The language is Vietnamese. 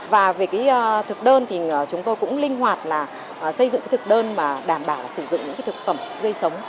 và về thực đơn thì chúng tôi cũng linh hoạt là xây dựng thực đơn mà đảm bảo sử dụng những thực phẩm gây sống